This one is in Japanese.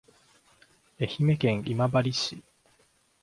愛媛県今治市